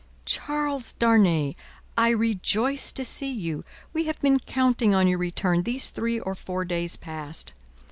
"Charles Darnay! I rejoice to see you. We have been counting on your return these three or four days past.